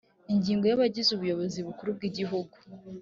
ingingo ya abagize ubuyobozi bukuru bwigihugu